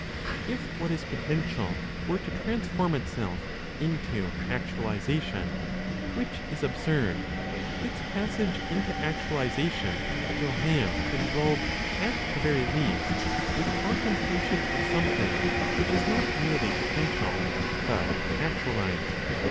If what is potential were to transform itself into actualization which is absurd its passage into actualization will have to involve at the very least a contemplation of something which is not merely potential, but actualized.